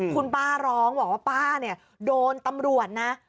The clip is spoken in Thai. คุณป้าร้องว่าป้าโดนตำรวจนะ